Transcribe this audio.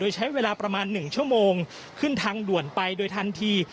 ใช้เวลาประมาณ๑ชั่วโมงขึ้นทางด่วนไปโดยทันที